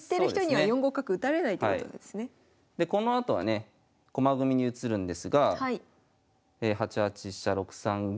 でこのあとはね駒組みに移るんですが８八飛車６三銀。